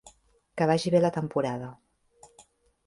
Que vagi bé la temporada.